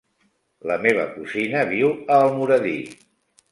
La meva cosina viu a Almoradí.